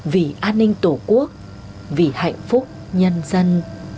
vì an ninh tổ quốc vì hạnh phúc nhân dân